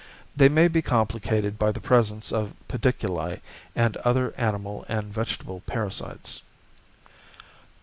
They may be complicated by the presence of pediculi and other animal and vegetable parasites.